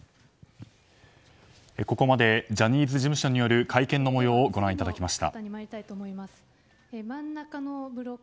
ここまでジャニーズ事務所による会見の模様をご覧いただきました。